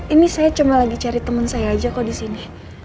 ini saya cuma lagi cari teman saya aja kok di sini